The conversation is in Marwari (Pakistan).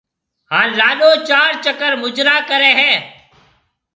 ھان لاڏو چار چڪر مُجرا ڪرَي ھيََََ